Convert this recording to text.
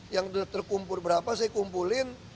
yang terkumpul berapa saya kumpulin